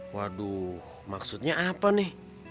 waduh maksudnya apa nih